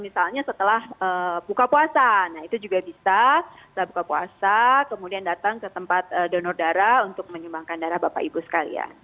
misalnya setelah buka puasa nah itu juga bisa setelah buka puasa kemudian datang ke tempat donor darah untuk menyumbangkan darah bapak ibu sekalian